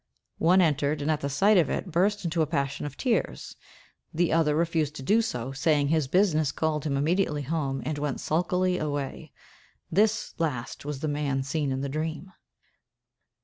One entered, and, at the sight of it, burst into a passion of tears; the other refused to do so, saying his business called him immediately home, and went sulkily away. This last was the man seen in the dream.